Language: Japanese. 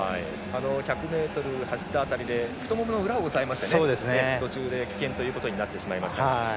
１００ｍ走った辺りで太ももの裏を押さえて途中で棄権となってしまいました。